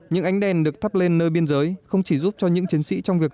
những ánh đèn được thắp lên nơi biên giới không chỉ giúp cho những chiến sĩ trong việc